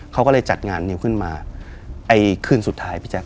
เขาก็เลยจัดงานนิวขึ้นมาไอ้คืนสุดท้ายพี่แจ๊ค